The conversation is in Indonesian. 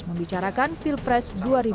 membicarakan pilpres dua ribu sembilan belas